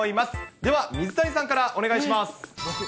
では水谷さんからお願いします。